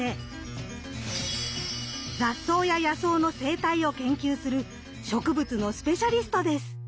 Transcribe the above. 雑草や野草の生態を研究する植物のスペシャリストです。